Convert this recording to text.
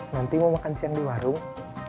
nanti mau makan siang di warung